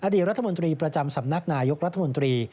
อดีตรัฐมนตรีประจำสำนักนายกรัฐมนตรี